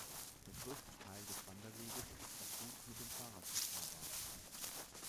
Der größte Teil des Wanderweges ist auch gut mit dem Fahrrad befahrbar.